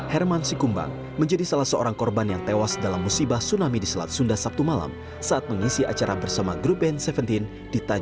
herman sikumbang menjadi salah seorang korban yang tewas dalam musibah tsunami di selat sunda sabtu malam saat mengisi acara bersama grup band tujuh belas di tanjung